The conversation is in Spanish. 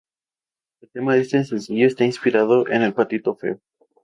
El tema de este sencillo está inspirado en El patito feo.